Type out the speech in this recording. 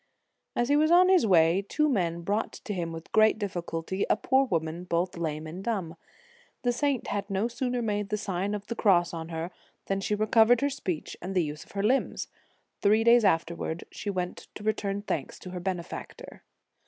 As he was on his way, two men brought to him with great difficulty a poor woman both lame and dumb. The saint had no sooner made the Sign of the Cross on her, than she recov ered her speech and the use of her limbs. Three days afterwards, she went to return thanks to her benefactor.